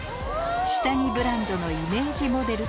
下着ブランドのイメージモデルから